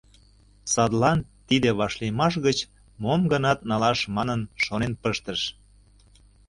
Садлан тиде вашлиймаш гыч мом-гынат налаш манын шонен пыштыш.